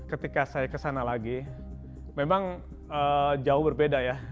ketika saya ke sana lagi memang jauh berbeda ya